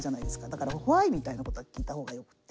だからＷｈｙみたいなことは聞いた方がよくて。